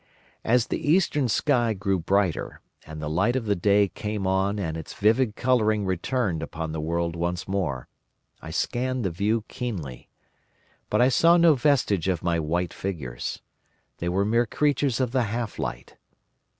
"As the eastern sky grew brighter, and the light of the day came on and its vivid colouring returned upon the world once more, I scanned the view keenly. But I saw no vestige of my white figures. They were mere creatures of the half light.